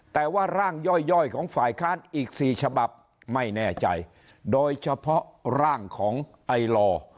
แต่ว่าร่างย่อยของฝ่ายค้านอีก๔ฉบับไม่แน่ใจโดยเฉพาะร่างของไอลอ